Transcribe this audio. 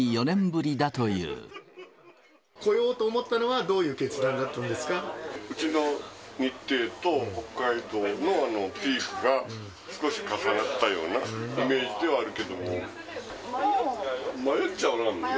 来ようと思ったのは、どういうちの日程と、北海道のピークが少し重なったようなイメージではあるけども。